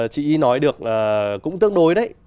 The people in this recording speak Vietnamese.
chị nói được cũng tương đối đấy